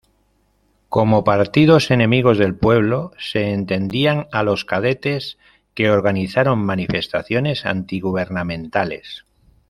Como partidos enemigos del pueblo se entendían a los kadetes, que organizaron manifestaciones antigubernamentales.